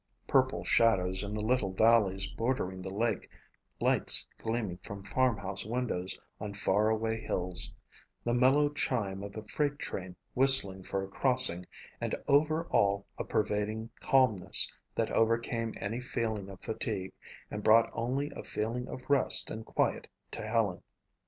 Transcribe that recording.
Purple shadows in the little valleys bordering the lake, lights gleaming from farm house windows on far away hills, the mellow chime of a freight train whistling for a crossing and over all a pervading calmness that overcame any feeling of fatigue and brought only a feeling of rest and quiet to Helen.